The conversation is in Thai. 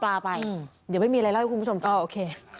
เดี๋ยวมีอะไรเล่าให้คุณผู้ชมฟัก